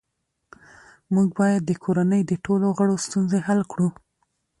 موږ باید د کورنۍ د ټولو غړو ستونزې حل کړو